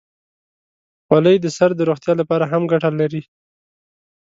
خولۍ د سر د روغتیا لپاره هم ګټه لري.